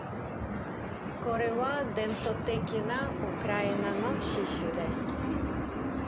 これは伝統的なウクライナの刺繍です。